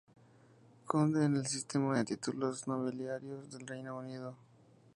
Conde en el sistema de títulos nobiliarios del Reino Unido.